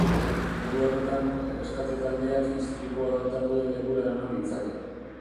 Modu horretan, erreskate-taldeak istripua gertatu den lekura eraman ditzake.